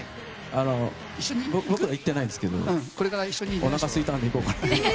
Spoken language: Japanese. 僕は行ってないんですけどおなかすいたので行こうかなと。